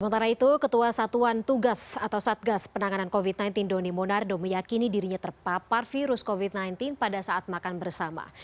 sementara itu ketua satuan tugas atau satgas penanganan covid sembilan belas doni monardo meyakini dirinya terpapar virus covid sembilan belas pada saat makan bersama